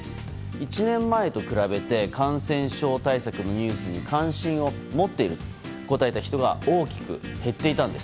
１年前と比べて感染症対策のニュースに関心を持っていると答えた人が大きく減っていたんです。